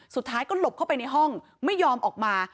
สุดท้ายก็หลบเข้าไปในห้องไม่ยอมออกมา